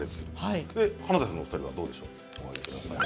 華大さんのお二人はどうでしょう？